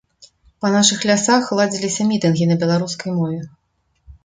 Па нашых лясах ладзіліся мітынгі на беларускай мове.